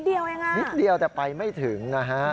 นิดเดียวยังนะนิดเดียวแต่ไปไม่ถึง